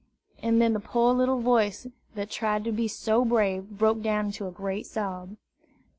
and then the poor little voice that tried to be so brave broke down into a great sob.